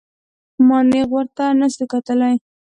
ما نېغ ورته نسو کتلى.